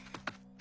あ！